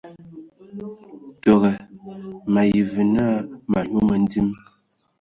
Təgə, mayi və nə ma nyu mədim.